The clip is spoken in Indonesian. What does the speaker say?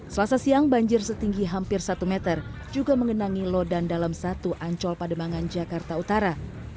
selasa siang banjir setinggi hampir satu meter juga mengenangi lodan dalam satu ancol pademangan jakarta utara